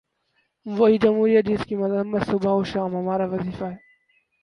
وہی جمہوریت جس کی مذمت صبح و شام ہمارا وظیفہ ہے۔